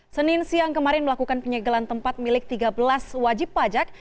senin siang kemarin melakukan penyegelan tempat milik tiga belas wajib pajak